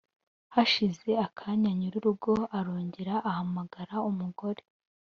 hashize akanya nyir'urugo arongera ahamagara umugore